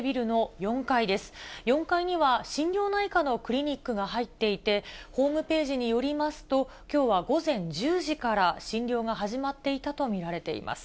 ４階には心療内科のクリニックが入っていて、ホームページによりますと、きょうは午前１０時から診療が始まっていたと見られています。